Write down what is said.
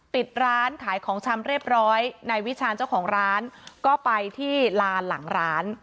ปิดร้านขายของชำเรียบร้อยนายวิชาณเจ้าของร้านก็ไปที่ลานหลังร้าน